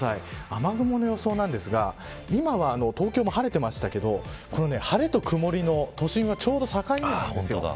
雨雲の予想なんですが今は、東京も晴れてましたけど晴れと曇の、都心はちょうど境目なんです。